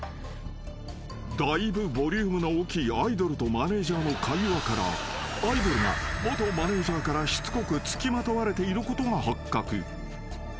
［だいぶボリュームの大きいアイドルとマネジャーの会話からアイドルが元マネジャーからしつこく付きまとわれていることが発覚］